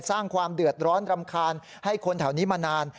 สร้างความเดือดร้อนรำคาญให้คนแถวนี้มานาน